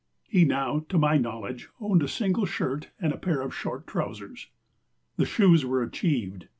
He now, to my knowledge, owned a single shirt and a pair of short trousers. The shoes were achieved.